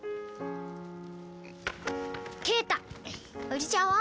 おじちゃんは？